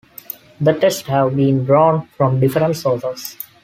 The texts have been drawn from different sources.